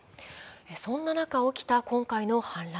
そんな中、起きた今回の反乱。